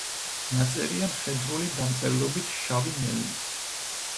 ნაწერია მხედრული დამწერლობით, შავი მელნით.